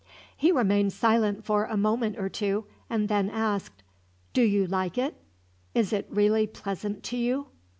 He remained silent for a minute or two, and then asked: "Do you like it? Is it really pleasant to you?"